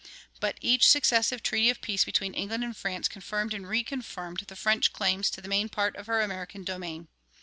But each successive treaty of peace between England and France confirmed and reconfirmed the French claims to the main part of her American domain.